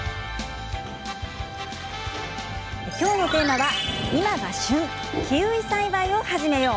きょうのテーマは今が旬キウイ栽培を始めよう。